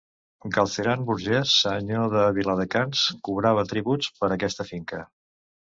Galceran Burgès, senyor de Viladecans, cobrava tributs per aquesta finca.